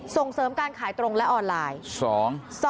ส่งเสริมการขายตรงและออนไลน์